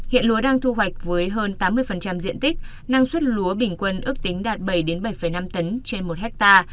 hiện lúa đang thu hoạch với hơn tám mươi diện tích năng suất lúa bình quân ước tính đạt bảy bảy năm tấn trên một ha